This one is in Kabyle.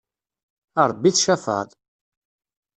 A Rebbi tcafεeḍ!